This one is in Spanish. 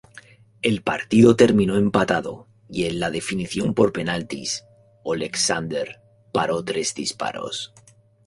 El partido terminó empatado y en la definición por penaltis, Oleksandr paró tres disparos.